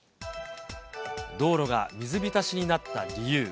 道路が水浸しになった理由。